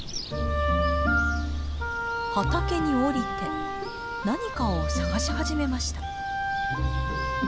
畑に降りて何かを探し始めました。